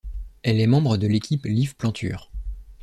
Elle est membre de l'équipe Liv-Plantur.